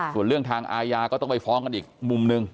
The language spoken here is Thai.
ส่วนเรื่องทางอาญาก็ต้องไปฟ้องกันอีกมุมหนึ่ง